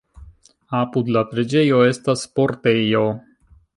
Apud la preĝejo estas sportejo.